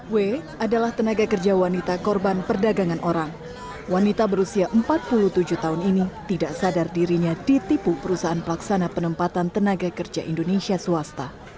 w adalah tenaga kerja wanita korban perdagangan orang wanita berusia empat puluh tujuh tahun ini tidak sadar dirinya ditipu perusahaan pelaksana penempatan tenaga kerja indonesia swasta